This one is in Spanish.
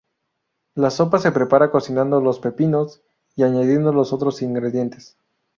La sopa se prepara cocinando los pepinos y añadiendo los otros ingredientes.